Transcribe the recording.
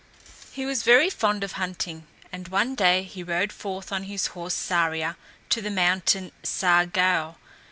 He was very fond of hunting, and one day he rode forth on his horse Saria to the mountain Sargau.